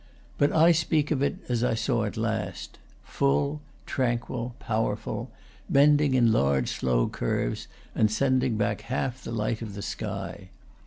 But I speak of it as I saw it last; full, tranquil, powerful, bending in large slow curves, and sending back half the light of the sky.